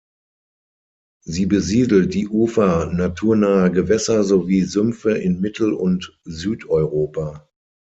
Sie besiedelt die Ufer naturnaher Gewässer sowie Sümpfe in Mittel- und Südeuropa.